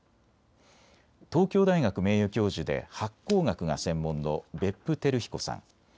東京大学名誉教授で発酵学が専門の別府輝彦さん。